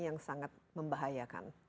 yang sangat membahayakan